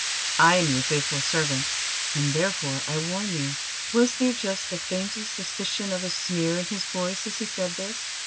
I am your faithful servant, and therefore I warn you." Was there just the faintest suspicion of a sneer in his voice as he said this?